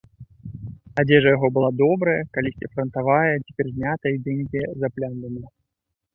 Адзежа яго была добрая, калісьці франтаватая, цяпер змятая і дзе-нідзе заплямленая.